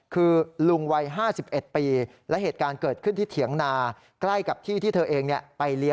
คือลุงวัย๕๑ปี